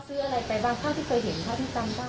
ซื้ออะไรไปบ้างเท่าที่เคยเห็นเท่าที่จำบ้าง